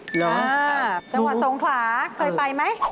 จังหวัดทรงขลาเคยไปไหม